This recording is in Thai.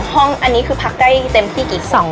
ห้องอันนี้คือพักได้เต็มที่กี่